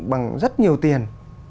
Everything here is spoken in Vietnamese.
bằng rất nhiều tiền